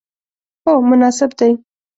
هو، مناسب دی